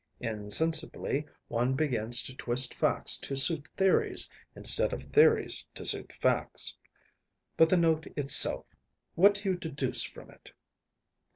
Insensibly one begins to twist facts to suit theories, instead of theories to suit facts. But the note itself. What do you deduce from it?